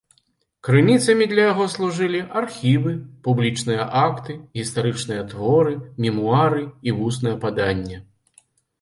Крыніцамі для яго служылі архівы, публічныя акты, гістарычныя творы, мемуары і вуснае паданне.